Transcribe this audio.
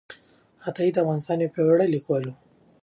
عطايي د افغانستان یو پیاوړی لیکوال و.